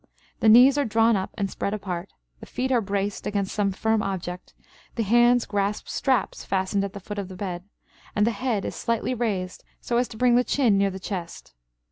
The knees are drawn up and spread apart; the feet are braced against some firm object; the hands grasp straps fastened at the foot of the bed; and the head is slightly raised so as to bring the chin near the chest.